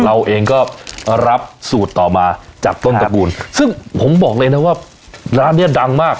เราเองก็รับสูตรต่อมาจากต้นตระกูลซึ่งผมบอกเลยนะว่าร้านเนี้ยดังมาก